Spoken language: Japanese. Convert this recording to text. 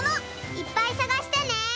いっぱいさがしてね！